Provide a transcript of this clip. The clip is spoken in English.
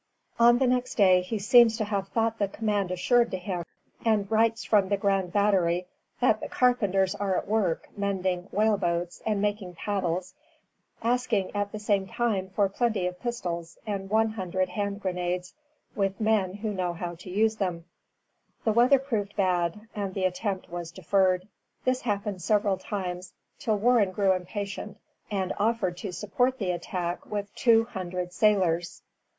[Footnote: Vaughan to Pepperell, 11 May, 1745.] On the next day he seems to have thought the command assured to him, and writes from the Grand Battery that the carpenters are at work mending whale boats and making paddles, asking at the same time for plenty of pistols and one hundred hand grenades, with men who know how to use them. [Footnote: Vaughan to Pepperell, 12 May, 1745.] The weather proved bad, and the attempt was deferred. This happened several times, till Warren grew impatient, and offered to support the attack with two hundred sailors.